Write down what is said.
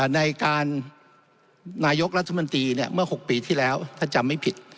ในการนายกรัฐมนตรีเมื่อ๖ปีที่แล้วถ้าจำไม่ผิด